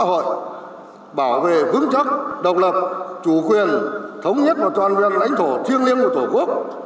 xã hội bảo vệ vững chắc độc lập chủ quyền thống nhất và toàn vẹn lãnh thổ thiêng liêng của tổ quốc